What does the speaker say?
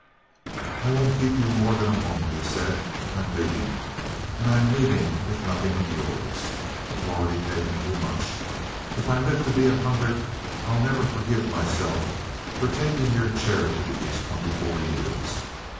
"I won't keep you more than a moment," he said. "I'm leaving. And I'm leaving with nothing of yours. I've already taken too much. If I live to be a hundred, I'll never forgive myself for taking your charity these twenty four years.